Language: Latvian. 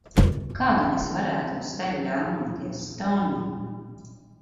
Kā gan es varētu uz tevi ļaunoties, Tonij?